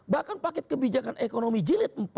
bahkan paket kebijakan ekonomi jilid empat